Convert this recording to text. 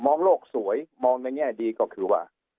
โลกสวยมองในแง่ดีก็คือว่า